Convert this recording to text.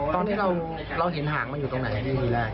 ตอนที่เราเห็นหางมันอยู่ตรงไหนที่ทีแรก